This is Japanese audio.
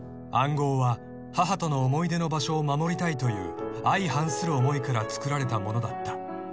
［暗号は母との思い出の場所を守りたいという相反する思いからつくられたものだった］